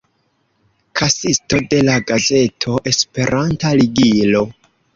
Kasisto de la gazeto Esperanta Ligilo.